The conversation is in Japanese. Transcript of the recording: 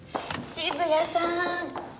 渋谷さん！